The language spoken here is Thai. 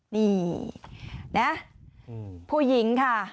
นี่นะผู้หญิงค่ะ